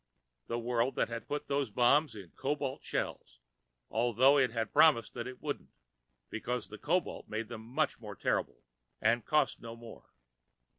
The world that had put those bombs in cobalt shells, although it had promised it wouldn't, because the cobalt made them much more terrible and cost no more.